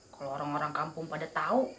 kalau orang orang kampung pada tahu